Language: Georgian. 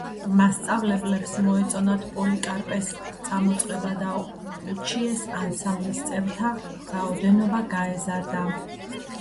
მასწავლებლებს მოეწონათ პოლიკარპეს წამოწყება და ურჩიეს, ანსამბლის წევრთა რაოდენობა გაეზარდა.